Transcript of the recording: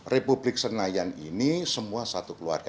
republik senayan ini semua satu keluarga